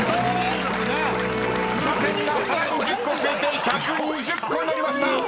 ［風船がさらに１０個増えて１２０個になりました］